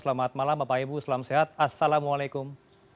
selamat malam bapak ibu selamat sehat assalamualaikum